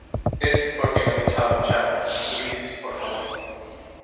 es porque no pensaba ducharme. Ulises, por favor